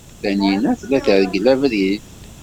Tanina tella tergel abrid.